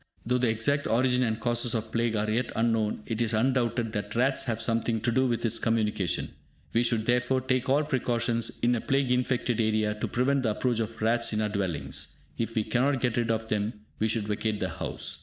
Though the exact origin and causes of plague are yet unknown, it is undoubted that rats have something to do with its communication. We should, therefore, take all precautions, in a plague infected area, to prevent the approach of rats in our dwellings; if we cannot get rid of them, we should vacate the house.